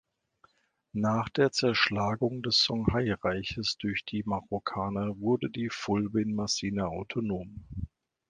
Nach der Zerschlagung des Songhai-Reiches durch die Marokkaner wurden die Fulbe in Massina autonom.